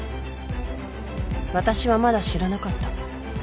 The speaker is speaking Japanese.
［私はまだ知らなかった］